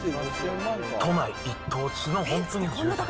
都内一等地の本当に住宅街。